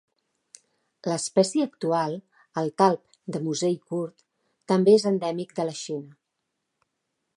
L'espècie actual, el talp de musell curt, també és endèmic de la Xina.